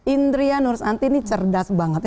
indria nursanti ini cerdas banget